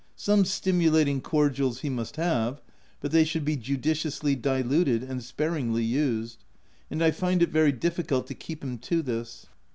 Some stimulating cordials he must have, but they should be judiciously diluted and sparingly used ; and I find it very difficult to keep him to this.